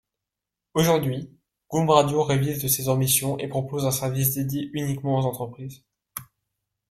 Aujourd'hui, Goom Radio révise ses ambitions et propose un service dédié uniquement aux entreprises.